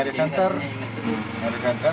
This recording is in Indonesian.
hari hari senter hari hari senter